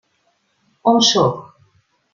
On sóc?